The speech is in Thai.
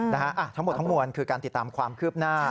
ทั้งหมดทั้งมวลคือการติดตามความคืบหน้า